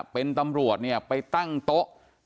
เป็นตำรวจเนี่ยไปตั้งโต๊ะ